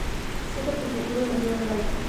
Centro administrativo es la ciudad de Balta.